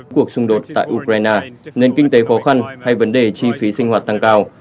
cuộc xung đột tại ukraine nền kinh tế khó khăn hay vấn đề chi phí sinh hoạt tăng cao